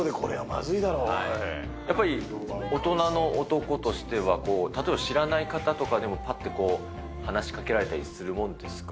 やっぱり大人の男としては、例えば知らない方とかでも、ぱっと話しかけたりするもんですか？